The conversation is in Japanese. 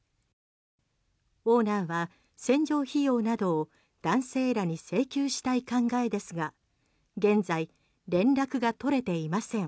オーナーは洗浄費用などを男性らに請求したい考えですが現在、連絡が取れていません。